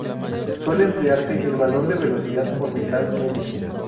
Suele emplearse el valor de velocidad orbital media.